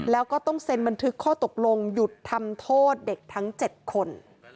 แล้วก็ต้องเซ็นบันทึกข้อตกลงหยุดทำโทษเด็กทั้ง๗คน